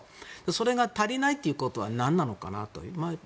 それが足りないということはなんなのかなと。